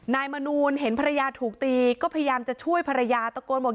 มนูลเห็นภรรยาถูกตีก็พยายามจะช่วยภรรยาตะโกนบอก